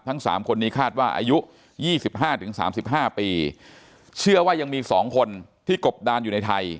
ทั้งสามคนนี้คาดว่าอายุยี่สิบห้าถึงสามสิบห้าปีเชื่อว่ายังมีสองคนที่กบดานอยู่ในไทย